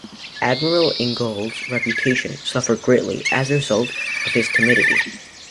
Admiral Ingenohl's reputation suffered greatly as a result of his timidity.